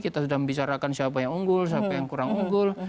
kita sudah membicarakan siapa yang unggul siapa yang kurang unggul